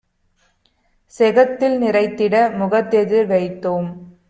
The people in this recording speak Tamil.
செகத்தில் நிறைந்திட முகத்தெதிர் வைத்தோம்.